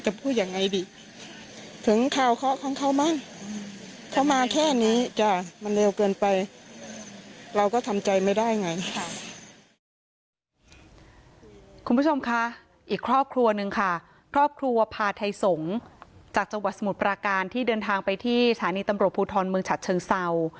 คุณผู้ชมคะอีกครอบครัวหนึ่งค่ะครอบครัวพาไทยสงฆ์จากจังหวัดสมุทรปราการที่เดินทางไปที่สถานีตำรวจภูทรเมืองฉัดเชิงเศร้า